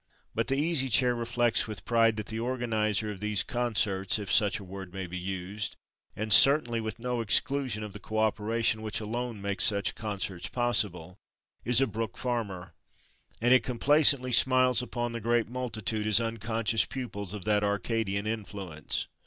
But the Easy Chair reflects with pride that the organizer of these concerts, if such a word may be used, and certainly with no exclusion of the co operation which alone makes such concerts possible, is a Brook Farmer; and it complacently smiles upon the great multitude as unconscious pupils of that Arcadian influence.